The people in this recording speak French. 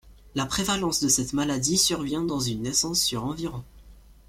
La prévalence de cette maladie survient dans une naissance sur environ.